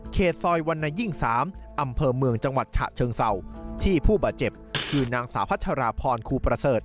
ซอยวรรณยิ่ง๓อำเภอเมืองจังหวัดฉะเชิงเศร้าที่ผู้บาดเจ็บคือนางสาวพัชราพรครูประเสริฐ